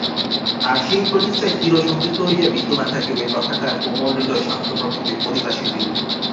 আর সেই প্রতিষ্ঠায় চিরসংযুক্ত হইয়া বিদ্যমান থাকিবে তথাকার কোমলহৃদয় শান্তপ্রকৃতি অধিবাসিবৃন্দ।